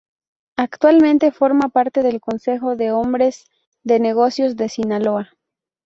Actualmente forma parte del Consejo de Hombres de Negocios de Sinaloa.